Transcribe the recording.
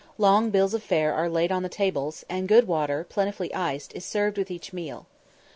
Long bills of fare are laid on the tables, and good water, plentifully iced, is served with each meal.